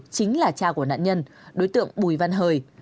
chính là cha của nạn nhân đối tượng bùi văn hời